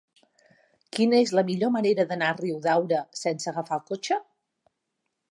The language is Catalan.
Quina és la millor manera d'anar a Riudaura sense agafar el cotxe?